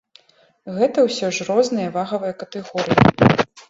Гэта ўсе ж розныя вагавыя катэгорыі.